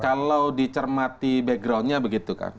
kalau dicermati backgroundnya begitu kan